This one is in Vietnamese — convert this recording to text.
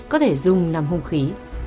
có thể dùng làm hông khí